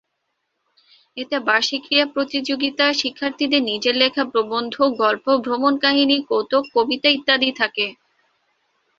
এতে বার্ষিক ক্রীড়া প্রতিযোগিতা, শিক্ষার্থীদের নিজের লেখা প্রবন্ধ, গল্প, ভ্রমণকাহিনী, কৌতুক, কবিতা ইত্যাদি থাকে।